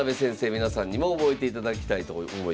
皆さんにも覚えていただきたいと思います。